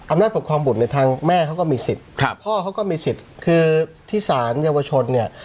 ปกครองบุตรเนี่ยทางแม่เขาก็มีสิทธิ์ครับพ่อเขาก็มีสิทธิ์คือที่สารเยาวชนเนี่ย